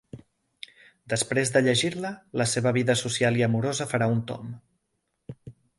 Després de llegir-la, la seva vida social i amorosa farà un tomb.